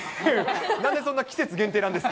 なんでそんな季節限定なんですか。